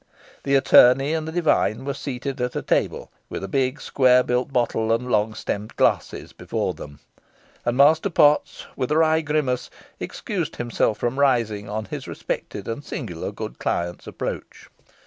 The attorney and the divine were seated at a table, with a big square built bottle and long stemmed glasses before them, and Master Potts, with a wry grimace, excused himself from rising on his respected and singular good client's approach.